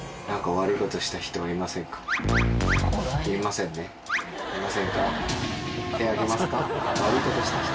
悪いことした人はいませんか？